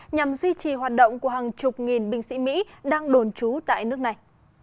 nhằm duy trì hoạt động của hàng chục nghìn binh sĩ mỹ đang đồn trú tại nước này